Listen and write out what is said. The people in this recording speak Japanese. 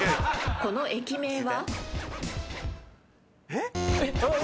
この駅名は？